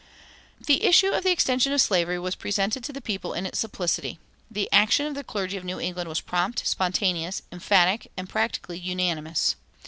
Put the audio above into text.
The issue of the extension of slavery was presented to the people in its simplicity. The action of the clergy of New England was prompt, spontaneous, emphatic, and practically unanimous.